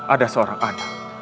ada seorang anak